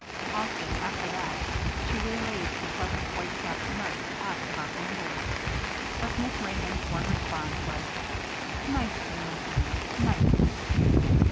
Often, after that, she waylaid the pleasant white capped nurse to ask about the invalid; but Miss Raymond's one response was "Nicely, my dear, nicely."